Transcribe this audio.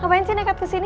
ngapain sih nekat kesini